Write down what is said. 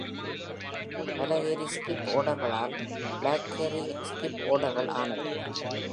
பல carry-skip ஆடர்களால் black-carry-skip ஆடர்கள் ஆனவை.